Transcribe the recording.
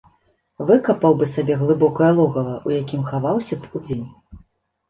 Выкапаў бы сабе глыбокае логава, у якім хаваўся б удзень.